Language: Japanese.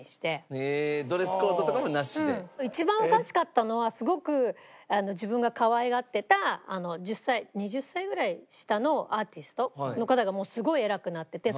一番おかしかったのはすごく自分がかわいがっていた２０歳ぐらい下のアーティストの方がもうすごい偉くなってて。